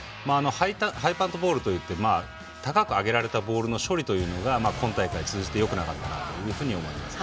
ハイパントボールといって高く上げられたボールの処理というのが、今大会通じてよくなかったなと思います。